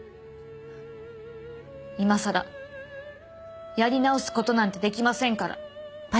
今さらやり直す事なんてできませんから。